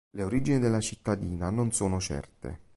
Le origini della cittadina non sono certe.